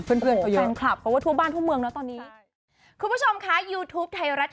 เพื่อนเขาเยอะ